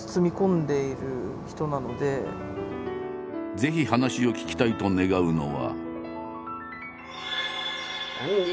ぜひ話を聞きたいと願うのは。